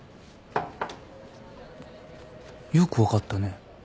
「よく分かったね」